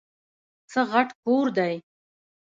څه غټ کور دی ؟!